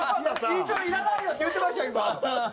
イントロいらないよって言うてました今。